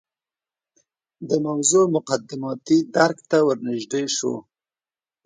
د موضوع مقدماتي درک ته ورنژدې شو.